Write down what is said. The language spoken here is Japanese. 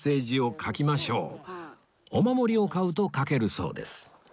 お守りを買うと書けるそうです